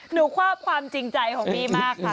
ควาบความจริงใจของพี่มากค่ะ